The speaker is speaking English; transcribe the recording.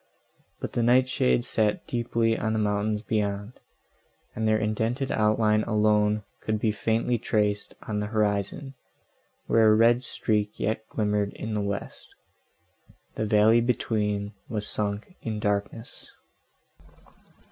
But the night shade sat deeply on the mountains beyond, and their indented outline alone could be faintly traced on the horizon, where a red streak yet glimmered in the west. The valley between was sunk in darkness.